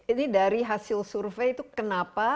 ini dari hasil survei itu kenapa